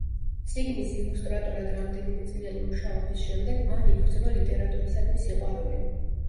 წიგნის ილუსტრატორად რამდენიმეწლიანი მუშაობის შემდეგ მან იგრძნო ლიტერატურისადმი სიყვარული.